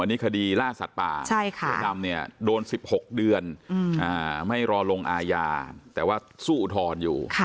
อันนี้คดีล่าสัตว์ป่าเสือดำเนี่ยโดน๑๖เดือนไม่รอลงอาญาแต่ว่าสู้อุทธรณ์อยู่